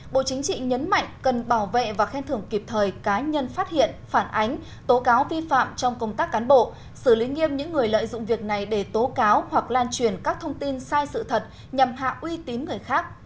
bộ chính trị nhấn mạnh cần bảo vệ và khen thưởng kịp thời cá nhân phát hiện phản ánh tố cáo vi phạm trong công tác cán bộ xử lý nghiêm những người lợi dụng việc này để tố cáo hoặc lan truyền các thông tin sai sự thật nhằm hạ uy tín người khác